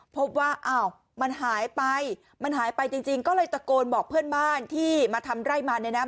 พบว่าอ้าวมันหายไปมันหายไปจริงก็เลยตะโกนบอกเพื่อนบ้านที่มาทำไร่มันเนี่ยนะ